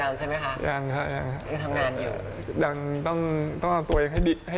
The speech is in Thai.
นี่เป็นอะไรนะ